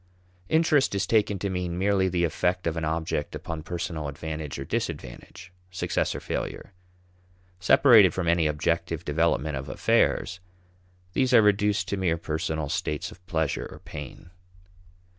Interest is taken to mean merely the effect of an object upon personal advantage or disadvantage, success or failure. Separated from any objective development of affairs, these are reduced to mere personal states of pleasure or pain.